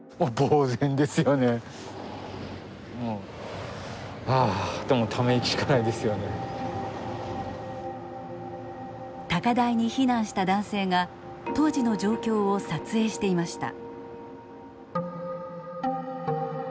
もうはあって高台に避難した男性が当時の状況を撮影していました。